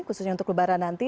khususnya untuk lebaran nanti